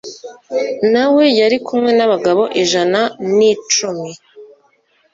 na we yari kumwe n abagabo ijana n icumi